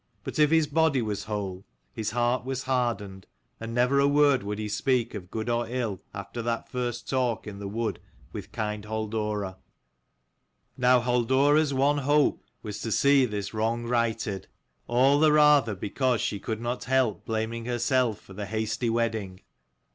But if his body was whole, his heart was hardened, and never a word would he speak of good or ill, after that first talk in the wood with kind Halldora. EE 233 Now Halldora's one hope was to see this wrong righted ; all the rather because she could not help blaming herself for the hasty wedding.